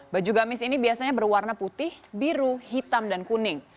baju gamis ini biasanya berwarna putih biru hitam dan kuning